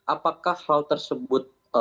apakah hal tersebut